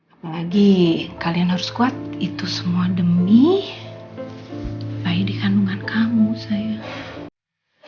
apalagi kalian harus kuat itu semua demi baik di kandungan kamu saya